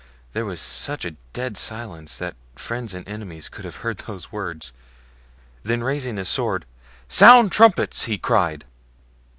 There was such dead silence that friends and enemies could have heard these words; then raising his sword, 'Sound trumpets!' he cried."